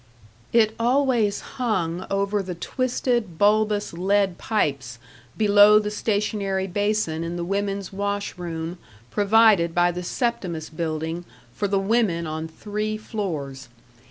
It always hung over the twisted, bulbous lead pipes below the stationary basin in the women's wash room provided by the Septimus Building for the women on three floors.